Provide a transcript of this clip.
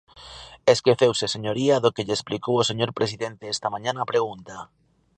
Esqueceuse, señoría, do que lle explicou o señor presidente esta mañá na pregunta.